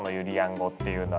語っていうのは。